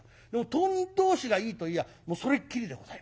当人同士がいいと言やあもうそれっきりでございますよ。